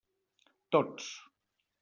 Tots.